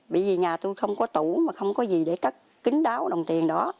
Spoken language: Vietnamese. bởi vì nhà tôi không có tủ mà không có gì để cắt kính đáo đồng tiền đó